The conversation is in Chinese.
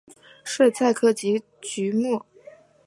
睡菜科及菊目。